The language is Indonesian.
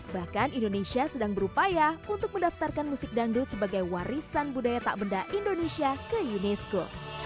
bahkan indonesia sedang berupaya untuk mendaftarkan musik dangdut sebagai warisan budaya tak benda indonesia ke unesco